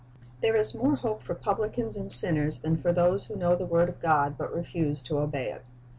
There is more hope for publicans and sinners than for those who know the word of God but refuse to obey it.